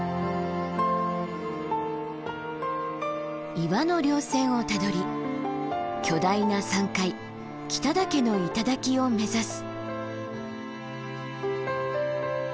岩の稜線をたどり巨大な山塊北岳の頂を目指す。